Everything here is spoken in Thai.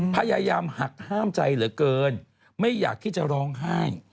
พยายามหักห้ามใจเหลือเกินไม่อยากที่จะร้องไห้